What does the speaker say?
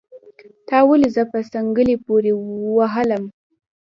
تا ولې زه په څنګلي پوري وهلم